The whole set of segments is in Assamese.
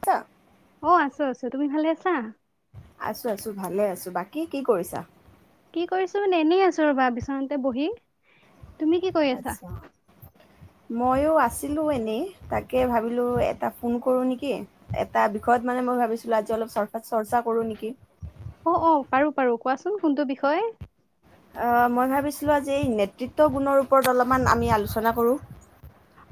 ত। অ আছো আছো তুমি ভালে আছা। আছো আছো ভালে আছো বাকী কি কৰিছা। কি কৰিছো মানে এনেই আছো ৰ'বা বিচনাতে বহি, তুমি কি কৰি আছা। মইওঁ আছিলো এনেই তাকে ভাবিলো এটা ফোন কৰো নেকি এটা বিষয়ত মা নে মই ভাবিছিলো আজি অলপ চ চৰ্চা কৰো নেকি। অ অ পাৰো পাৰো কোৱাচোন কোনটো বিষয়। অ মই ভাবিছিলো আজি এই নেতৃত্ব গুণৰ ওপৰত অলপমান আমি আলোচনা কৰো।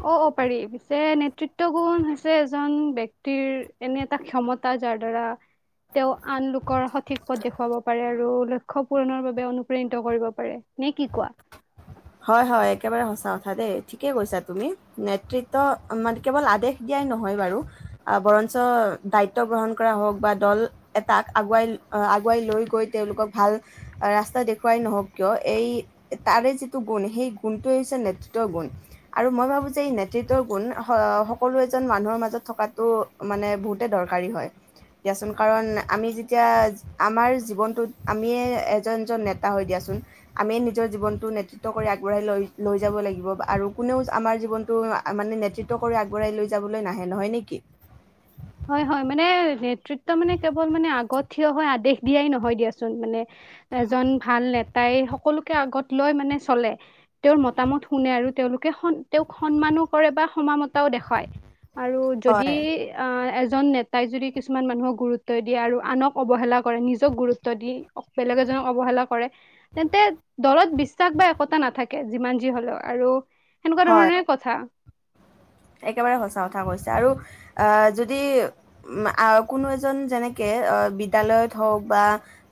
অ অ' পাৰি পিছে নেতৃত্ব গুণ হৈছে এজন ব্যক্তিৰ এনে এটা ক্ষম তা যাৰ দ্বাৰা। তেওঁ আন লোকৰ সঠিক পথ দেখুৱাব পাৰে আৰু লক্ষ্যপূৰ্ণৰ বাবে অনুপ্ৰাণিত কৰিব পাৰে। নে কি কোৱা। হয় হয় একেবাৰে সচা কথা দেই ঠিকে কৈছা তুমি নেতৃত্ব মানে কেৱল আদেশ দিয়া ই নহয় বাৰু বৰঞ্চ দায়িত্ব গ্ৰহণ কৰা হওক বা দল এটাক আগুৱাই আগুৱাই লৈ গৈ তেওঁলোকক ভাল ৰাস্তা দেখুৱাই নহওক কিয় এই তাৰে যি টো গুণ সেই গুণটোৱে হৈছে নেতৃত্বৰ গুণ আৰু মই ভাবোঁ যে এই নেতৃত্বৰ গুণ স সকলোৱে যেন মানুহৰ মাজত থকাটো মানে বহুতে দৰকাৰী হয় দিয়াচোন কাৰণ আমি যেতিয়া আমাৰ জীৱনটোত আমিয়ে এজন জন নেতা হৈ দিয়াচোন আমি নিজৰ জীৱনটো নেতৃত্ব কৰি আগবঢ়াই লৈ লৈ যাব লাগিব আৰু কোনেও আমাৰ জীৱনটো মানে নেতৃত্ব কৰি আগবঢ়াই লৈ যাব নাহে নহয় নেকি। উ। হয় হয় মানে নেতৃত্ব মানে কেৱল মানে আগত থিয় হয় আদেশ দিয়াই নহয় দিয়াচোন মানে এজন ভাল নেতাই সকলোকে আগত লৈ মানে চলে তেওঁৰ মতামত শুনে আৰু। তেওঁলোকে স তেওঁক সন্মানো কৰে বা সমানতাও দেখুৱায় আৰু যদি হয় আহ এজন নেতাই যদি কিছুমান মানুহক গুৰুত্ব দিয়ে আৰু আনক অৱহেলা কৰে নিজক গুৰুত্ব দি বেলেগ এজনক অৱহেলা কৰে তেন্তে দলত বিশ্বাস বা একতা নাথাকে যিমান যি হলেও আৰু সেনেকোৱা হয় ধৰণে কথা একেবাৰে সঁচা কথা কৈছে আৰু আহ যদি উ কোনো এজন যেনেকে। অ বিদ্যালয়ত হওঁক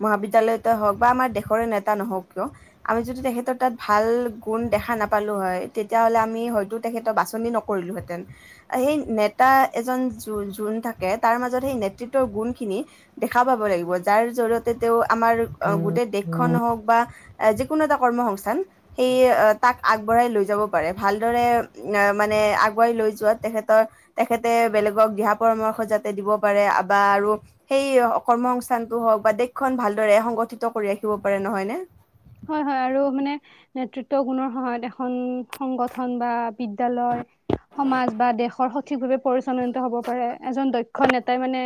মহাবিদ্যালয়তে হওঁক বা আমাৰ দেশৰ নেতা নহওঁক কিয় আৰু যদি তেখেতৰ তাত ভাল গুণ দেখা নাপালো হয় তেতিয়াহ'লে আমি হয়তো তেখেতৰ বাছনি ন কৰিলোঁ হেতেন সেই নেতা এজন যো যোন থাকে তাৰ মাজত সেই নেতৃত্বৰ গুণখিনি দেখা পাব লাগিব যাৰ জৰিয়তে তেওঁ আমাৰ গোটেই দেশখন হওক বা যি কোনো এটা কৰ্ম সংস্থান এই তাক আগবঢ়াই লৈ যাব পাৰে ভাল দৰে উম মা নে আগুৱাই লৈ যোৱাত তেখেতৰ তেখেতে বেলেগক দিহা পৰামৰ্শ যাতে দিব পাৰে বা আৰু সেই কৰ্ম সংস্থানটো হওক বা দেশখন ভালদৰে সংগঠিত কৰি ৰাখিব পাৰে নহয়নে। হয় হয় আৰু মানে নেতৃত্ব গুণৰ সহায়ত এখন সংগঠন বা বিদ্যালয় সমাজ বা দেশৰ সঠিকভাৱে পৰিচালনিত হব পাৰে এজন দক্ষ নেতাই মানে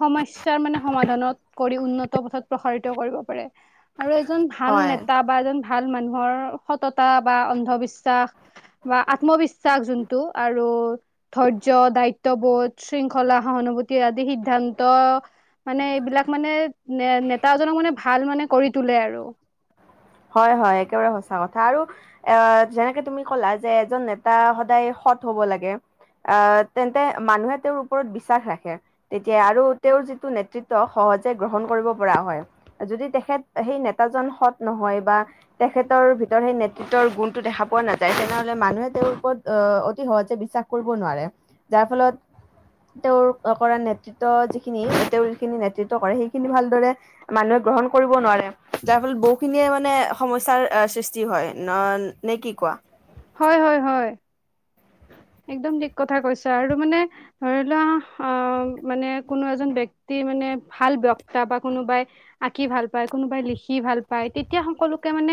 সমাজ মানে সমাধানত কৰি উন্নত পথত প্ৰসাৰিত কৰিব পাৰে আৰু এজন ভাল হয় নেতা বা এজন ভাল মানুহৰ সততা বা অন্ধবিশ্বাস বা আত্মবিশ্বাস যোনটো আৰু ধৈৰ্য্য দায়িত্ববোধ শৃংখলা সহানুভূতি আদি সিদ্ধান্ত মানে এইবিলাক মানে নেতাজনক মানে ভাল মানে কৰি তোলে আৰু। হয় হয় একেবাৰে সঁচা কথা আৰু এ যেনেকে তুমি ক'লা যে এজন নেতা সদায় সৎ হ'ব লাগে আ তেন্তে মানুহে তেওঁৰ ওপৰত বিশ্বাস ৰাখে তেতিয়া আৰু তেওঁৰ যিটো নেতৃত্ব স হজে গ্ৰহণ কৰিব পৰা হয় যদি তেখেত সেই নেতাজন সৎ নহয় বা তেখেতৰ ভিতৰত সেই নেতৃত্বৰ গুণটো দেখা পোৱা নাযায় তেনেহলে মানুহে তেওঁৰ ওপৰত অ অতি সহজে বিশ্বাস কৰিব নোৱাৰে যাৰ ফলত তেওঁৰ কৰা নেতৃত্ব যিখিনি তেওঁৰ যিখিনি নেতৃত্ব কৰে সেইখিনি ভালদৰে মানুহে গ্ৰহণ কৰিব নোৱাৰে যাৰ ফলত বহুখিনিয়ে মানে মানে সমস্যাৰ সৃষ্টি হয় ন নে কি কোৱা হয় হয় হয়। একদম ঠিক কথা কৈছা আৰু মানে ধৰি লোৱা অ মানে কোনো এজন ব্যক্তি মানে ভাল বক্তা বা কোনোবাই আঁকি ভাল পায় কোনোবাই লিখি ভাল পায় তেতিয়া সকলোকে মানে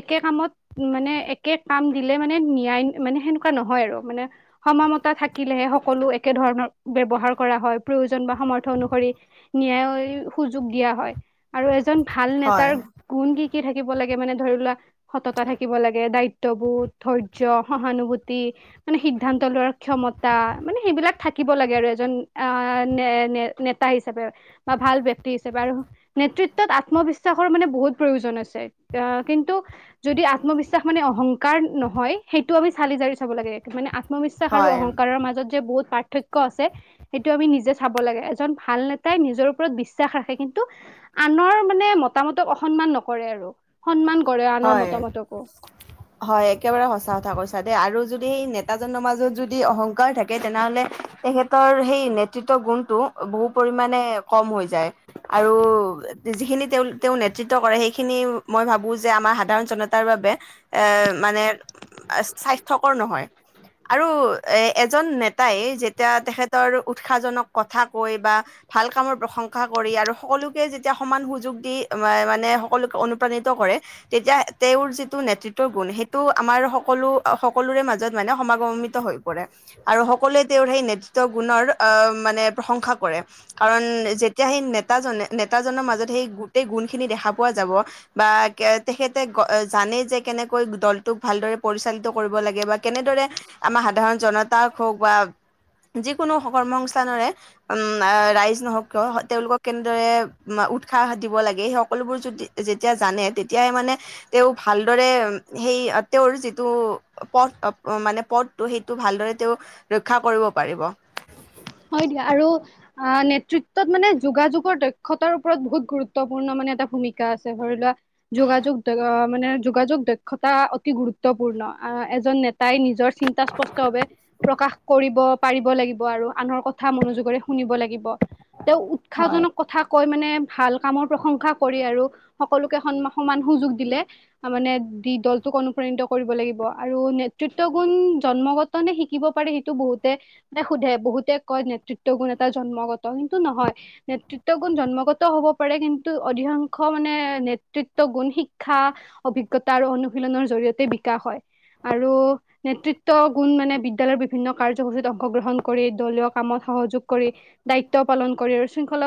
একে কামত মানে একে কাম দিলে মানে ন্যায় মানে সেনেকুৱা নহয় আৰু মানে সময়মতে থাকিলেহে সকলো একে ধৰণৰ ব্যৱহাৰ কৰা হয় প্ৰয়োজন বা সমৰ্থ অনুসৰি ন্যায় সুযোগ দিয়া হয়। আৰু আজি এজন ভাল নেতাৰ হয় গুণ কি? কি থাকিব লাগে মানে ধৰি লোৱা সততা থাকিব লাগে দায়িত্ববোধ। ধৈৰ্য্য সহানুভূতি মানে সিদ্ধান্ত লোৱাৰ ক্ষমতা মানে সেইবিলাক থাকিব লাগে। আৰু এজন নে নে নেতা হিচাপে বা ভাল ব্যক্তি হিচাপে আৰু নেতৃত্বত আত আত্মবিশ্বাসৰ মানে বহুত প্ৰয়োজন আছে কিন্তু যদি আত্মবিশ্বাস মানে অহংকাৰ ন। হয় সেইটো আমি চালি জাৰি চাব লাগে মানে আত্মবিশ্বাস আৰু হয় অহংকাৰৰ মাজত যে বহুত পাৰ্থক্য আছে সেইটো আমি নিজে চাব লাগে এজন ভাল নেতাই নিজৰ ওপৰত বিশ্বাস ৰাখে কিন্তু আনৰ মানে মতামতক অসন্মান নকৰে। আৰু সন্মান কৰে আনৰ হয়। মতামতকো। হয় একেবাৰে সঁচা কথা কৈছা দে আৰু যদি সেই নেতাজনৰ মাজত যদি অহংকাৰ থাকে তেনেহলে তেখেতৰ সেই নেতৃত্ব গুণটো বহু পৰিমাণে কম হৈ যায় আৰু যিখিনি তেঁওলোকে তেওঁ নেতৃত্ব কৰে সেইখিনি মই ভাবো যে আমাৰ সাধাৰণ জনতাৰ বাবে এ মানে স্বাস্থ্যকৰ নহয়। আৰু এ এজন নেতাই যেতিয়া তেখেতৰ উৎসাহজনক কথা কৈ বা ভাল কামৰ প্ৰশংসা কৰি আৰু সকলোকে যেতিয়া সমান সুযোগ দি মানে সকলোকে অনু প্ৰাণিত কৰে তেতিয়া তেওঁৰ যিটো নেতৃত্বৰ গুণ সেইটো আমাৰ সকলো সকলোৰে মাজত মানে সমাগমিত হৈ পৰে আৰু সকলোৱে তেওঁৰ সেই নেতৃত্ব গুণৰ আ মানে প্ৰশংসা কৰে। কাৰণ যেতিয়া সেই নেতাজনে নেতাজনৰ মাজত সেই গোটেই গুণ খিনি দেখা পোৱা যাব। বা তেখেতে জানে যে কেনেকৈ দলটোক ভালদৰে পৰিচালিত কৰিব লাগে বা কেনেদৰে আমাৰ সাধাৰণ জনতাক হওক বা যিকোনো কৰ্ম সংস্থানৰে উম ৰাইজ নহওক কিয় তেওঁলোকক কেনেদৰে মা উৎসাহ দিব লাগে সেই সকলোবোৰ যদি যেতিয়া জানে তেতিয়াহে মানে তেওঁ ভালদৰে সেই তেওঁৰ যিটো পথ মানে পথটো সেইটো ভালদৰে তেওঁ ৰক্ষা কৰিব পাৰিব। হয় দিয়া আৰু অ নেতৃত্বত মানে যোগাযোগৰ দক্ষতাৰ ওপৰত বহুত গুৰুত্বপূৰ্ণ মানে এটা ভূমিকা আছে ধৰি লোৱা। যোগাযোগ মানে যোগাযোগ দক্ষতা অতি গুৰুত্বপূৰ্ণ আ এজন নেতা তাই নিজৰ চিন্তা স্পষ্ট ভাৱে প্ৰকাশ কৰিব। পাৰিব লাগিব আৰু আনৰ কথা মনোযোগৰে শুনিব লাগিব তেওঁ হয় উৎসাহজনক কথা কৈ মানে ভাল কামৰ প্ৰশংসা কৰি আৰু সকলোকে সম সমান সুযোগ দিলে মানে দি দলটোক অনুপ্ৰাণিত কৰিব লাগিব আৰু নে নেতৃত্ব গুণ জন্মগত নে শিকিব পাৰি সেইটো বহুতে মানে সোধে বহুতে কয় নেতৃত্ব গুণ এটা জন্মগত কিন্তু নহয় নেতৃত্ব গুণ জন্মগত হ'ব পাৰে কিন্তু অধিকাংশ মানে নেতৃত্ব গুণ শিক্ষা অভিজ্ঞতা আৰু অনুশীলনৰ জৰিয়তে বিকাশ হয়। আৰু নেতৃত্ব গুণ মানে বিদ্যালয়ৰ বিভিন্ন কাৰ্যসূচীত অংশগ্ৰহণ কৰি দলীয় কামত সহযোগ কৰি দায়িত্ব পালন কৰি আৰু শৃংখল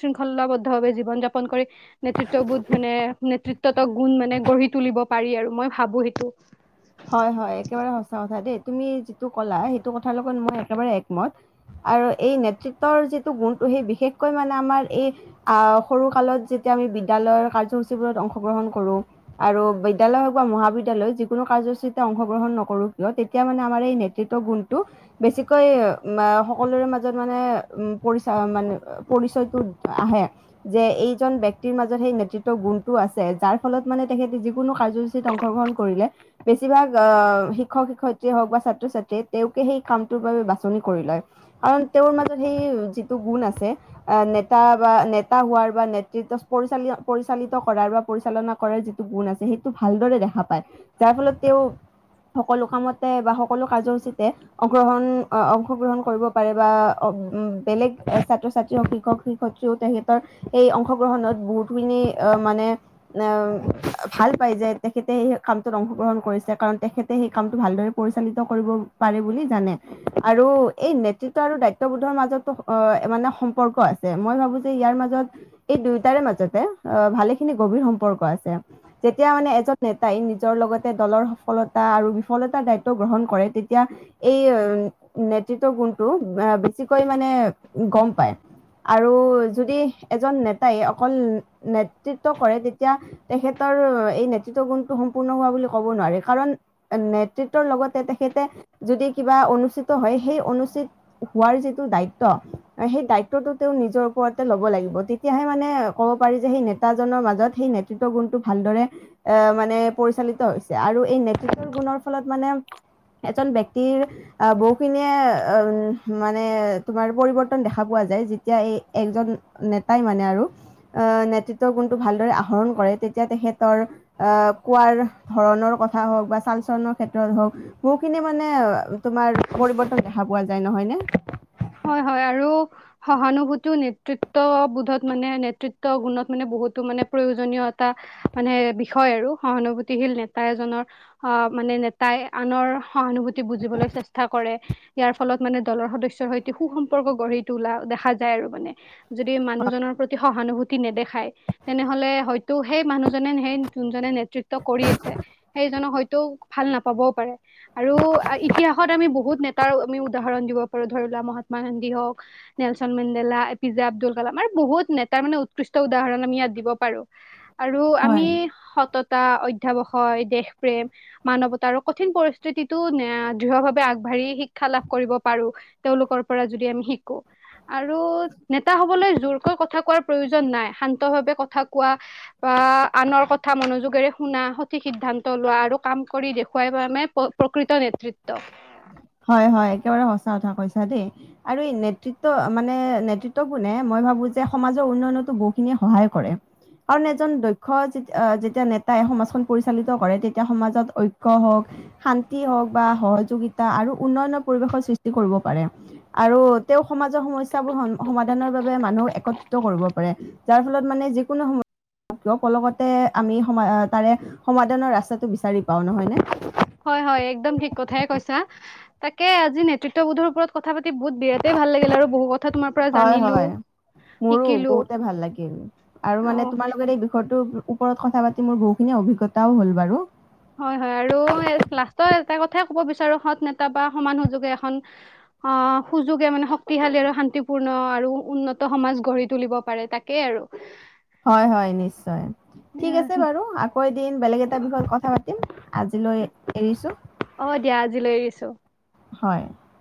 শৃংখলাবদ্ধ ভাৱে জীৱন যাপন কৰি নেতৃত্ব বোধ নেতৃত্ব গুণ মানে গঢ়ি তুলিব পাৰি আৰু মই ভাবো সেইটো হয় হয় একেবাৰে সচা কথা দেই তুমি যিটো ক'লা সেইটো কথাৰ লগত মই একেবাৰে একমত আৰু এই নেতৃত্বৰ যিটো গুণটো সেই বিশেষকৈ মানে আমাৰ এই আহ সৰু কালত যেতিয়া আমি বিদ্যালয়ৰ কাৰ্যসূচী বোৰত অংশগ্ৰহণ কৰো আৰু বিদ্যালয় হওক বা মহাবিদ্যালয় যিকোনো কাৰ্যচ অংশগ্ৰহণ নকৰোঁ কিয় তেতিয়া মানে আমাৰ এই নেতৃত্ব গুনটো বেছিকৈ সকলোৰে ম উ মান পৰিচয়টো আহে যে এইজন ব্যক্তিৰ ম মত সেই নেতৃত্ব গুণটো আছে যাৰ ফলত মানে তেখেতে যিকোনো কাৰ্যসূচীত অংশগ্ৰহণ কৰিলে। বেছিভাগ আহ শিক্ষক শিক্ষয়িত্ৰী হওক বা ছাত্ৰ ছাত্ৰীয়ে তেওঁকে সেই কামটোৰ বাবে বাছনি কৰি লয়। কাৰণ তেওঁৰ মাজত সেই যিটো গুণ আছে নেতা বা নেতা হোৱাৰ বা নেতৃত্ব পৰিল পৰিচালিত কৰাৰ বা পৰিচালনা কৰাৰ যিটো গুণ আছে সেইটো ভালদৰে দেখা পায়। তাৰ ফলত তেওঁ সকলো কামতে বা সকলো কাৰ্য্যসূচীতে গ্ৰহণ অংশগ্ৰহণ কৰিব পাৰে বা উম। বেলেগ ছাত্ৰ ছাত্ৰীওক শিক্ষক শিক্ষয়ত্ৰীও তেখেতৰ স অংশগ্ৰহণত বহুতখিনি মানে ভাল পাই যায় তেখেতে স অংশগ্ৰহণ কৰিছে কাৰণ তেখেতে সেই কামটো ভালদৰে পৰিচালিত কৰিব পাৰে বুলি জানে আৰু এই নেতৃত্ব আৰু দায়িত্ববোধৰ মাজতো অ মানে সম্পৰ্ক আছে। মই ভাবো যে ইয়াৰ মাজত এই দুয়োটাৰে মাজতে অ ভালেখিনি গভীৰ সম্পৰ্ক আছে যেতিয়া মানে এজন নেতাই নিজৰ লগতে দলৰ সফলতা আৰু বিফলতাৰ দায়িত্ব গ্ৰহণ কৰে তেতিয়া এই গুণটো বেছিকৈ মানে গম পায়। আৰু যদি এজন নেতাই অকল নেতৃত্ব কৰে তেতিয়া তেখেতক এই নেতৃত্ব গুণটো সম পূৰ্ণ হোৱা বুলি ক'ব নোৱাৰি কাৰণ নেতৃত্বৰ লগতে তেখেতে যদি কিবা অনুষ্ঠিত হয়। সেই অনুচিত হোৱাৰ যি দায়িত্ব সেই দায়িত্বটো তেওঁ নিজৰ ওপৰতে ল'ব লাগিব। তেতিয়াহে মানে ক'ব পাৰি যে সেই নেতাজনৰ মাজত সেই নেতৃত্ব গুণতটো ভালদৰে এ মানে পৰিচালিত হৈছে, আৰু এই নেতৃত্বৰ গুণৰ ফলত মানে এজন ব্যক্তিৰ আহ বহুখিনিয়ে অ মানে তোমাৰ পৰিৱৰ্তন দেখা পোৱা যায়। যেতিয়া এই একজন নেতাই মানে আৰু অ নেতৃত্বৰ গুণটো ভালদৰে আহৰণ কৰে। তেতিয়া তেখেতৰ আহ কোৱাৰ ধৰণৰ কথা হওক বা চাল চালনৰ ক্ষেত্ৰত হওক বহুখিনি মানে তোমাৰ পৰিৱৰ্তন দেখা পোৱা যায় নহয়নে। হয় হয় আৰু সহানুভূতি নেতৃত্ববোধত মানে নেতৃত্ব গুণত মানে বহুতো মানে প্ৰয়োজনীয় এটা মানে বিষয় আৰু সহানোভোতিশল নেতা এজনৰ মানে নেতাই আনৰ সহানুভূতি বুজিবলৈ চেষ্টা কৰে ইয়াৰ ফলত মানে দলৰ সদস্যৰ সৈতে সু সম্পৰ্ক গঢ়ি তোলা দেখা যায় আৰু মানে যদি মানুহজনৰ প্ৰতি সহানুভূতি নেদেখায় তেনেহলে হয়তো সেই মানুহজনে সেই যোনজনে কৰি আছে সেইজনক হয়তো ভাল নাপাবও পাৰে আৰু এতিয়া আমি বহুত নেতাৰ আমি উদাহৰণ দিব পাৰো ধৰিলা মহ মাত্মা গান্ধী হওক, নেলচন মেডেলা, এ পি জা আব্দুল কালাম, আৰু বহুত নেতাৰ মানে উৎকৃষ্ট উদাহৰণ আমি দিব পাৰু। আৰু আমি হয় সত অধ্যৱসায় দেশ প্ৰেম মানৱতা কঠিন পৰিস্থিতিতটো দৃঢ়ভাৱে আগবাঢ়ি হ শিক্ষা লাভ কৰিব পাৰো। তেওঁলোকৰ পৰা যদি আমি শিকো আৰু নেতা হবলৈ জোৰকৈ কথা কোৱাৰ প্ৰয়োজন নাই শান্ত ভাৱে কথা কোৱা বা আহ আনৰ কথা মনোযোগেৰে শুনা সঠিক সিদ্ধান্ত লোৱা আৰু কাম কৰি দেখুৱাই প কৃত নেতৃত্ব। হয় হয় একেবাৰে সচা কথা কৈছা দেই আৰু এই নেতৃত্ব মানে নেতৃত্ব কোনে মই ভাবো যে সমাজৰ উন্নয়নতো বহুখিনিয়ে সহায় কৰে। কাৰণ এজন দক্ষ যেতিয়া নেতাই সমাজখন পৰিচালিত কৰে তেতিয়া সমাজত ঐক্য় হওক শান্তি হওক বা সহযোগিতা এটা আৰু উন্নয়নৰ পৰিৱেশৰ সৃষ্টি কৰিব পাৰে আৰু তেওঁ সমাজৰ সমস্যা বোৰ সমাধানৰ বাবে মানুহক একত্ৰিত কৰিব পাৰে যাৰ ফলত মানে যিকোনো সমস্যা কিয় কলতে আমি সম তাৰে সমাধানৰ ৰাস্তাটো বিচাৰি পাওঁ নহয়নে? হয় হয় একদম ঠিক কথাই কৈছা তাকে আজি নেতৃত্ববোধৰ ওপৰত ক- কথা পাতি বহুত বিয়াতেই ভাল লাগিল আৰু বহু কথা তোমাৰ পৰা হয়, জানিলো। হয়। মোৰো শিকিলো বহুতে ভাল লাগিল আৰু মানে অ তোমাৰ লগত এই বিষয়টো ওপৰত কথা পাতি মোৰ বহুখিনি অভিজ্ঞাও হ'ল বাৰু। হয় হয় আৰু লাষ্টৰ এটা কথাই ক'ব বিচাৰো সৎ নেতা বা সমান সুযোগে এখন অ সুযোগে মানে শক্তিশালী আৰু শান্তিপূৰ্ণ আৰু উন্নত সমাজ গঢ়ি তুলিব পাৰে তাকেই আৰু। হয় হয় নিশ্চয় ঠিক এয়া, আছে বাৰু আকৌ এদিন বেলেগ এ বিষয় কথা পাতিম। আজিলৈ এৰিছো অ দিয়া আজিলৈ এৰিছো হয়। [unintelligible]